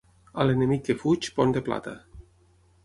A l'enemic que fuig, pont de plata.